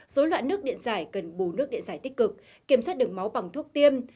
dối loạn nước điện giải cần bù nước điện giải tích cực kiểm soát đường máu bằng thuốc tiêm